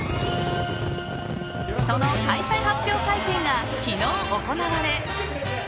その開催発表会見が昨日行われ。